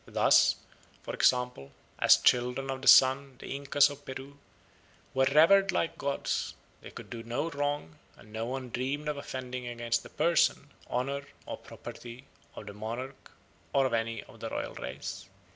Thus, for example, as children of the Sun the Incas of Peru were revered like gods; they could do no wrong, and no one dreamed of offending against the person, honour, or property of the monarch or of any of the royal race.